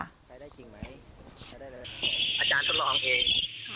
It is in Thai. อาจารย์ทดลองเอง